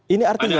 ini artinya bahwa